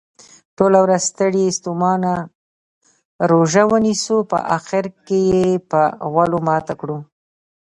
ټوله ورځ ستړي ستوماته روژه ونیسو په اخرکې یې په غولو ماته کړو.